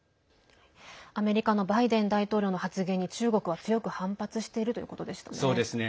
アメリカのバイデン大統領の発言に中国は強く反発しているということでしたね。